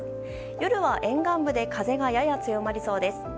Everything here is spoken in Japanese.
夜は沿岸部で風がやや強まりそうです。